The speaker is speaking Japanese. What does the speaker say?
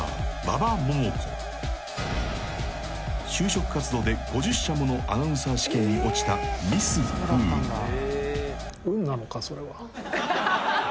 ［就職活動で５０社ものアナウンサー試験に落ちたミス不運］